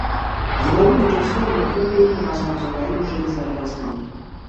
Զգալի միջոցներն ուղղվում էին ռազմածովային ուժերի զարգացմանը։